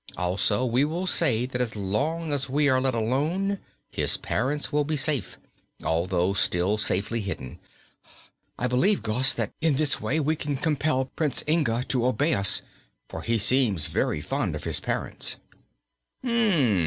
Also we will say that as long as we are let alone his parents will be safe, although still safely hidden. I believe, Gos, that in this way we can compel Prince Ingato obey us, for he seems very fond of his parents."